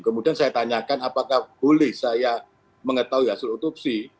kemudian saya tanyakan apakah boleh saya mengetahui hasil otopsi